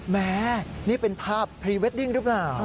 แม่นี่เป็นภาพพรีเวดดิ้งหรือเปล่า